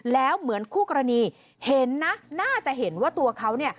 แล้วเหมือนคู่กรณีเห็นนะน่าจะเห็นว่าตัวเขาเนี่ย